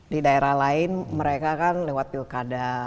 di daerah lain mereka kan lewat pilkada